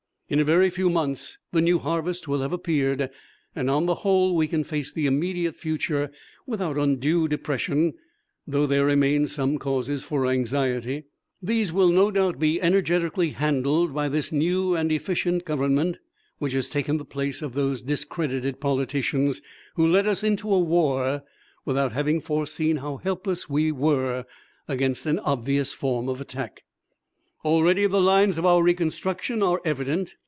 In a very few months the new harvest will have appeared. On the whole we can face the immediate future without undue depression, though there remain some causes for anxiety. These will no doubt be energetically handled by this new and efficient Government, which has taken the place of those discredited politicians who led us into a war without having foreseen how helpless we were against an obvious form of attack. "Already the lines of our reconstruction are evident.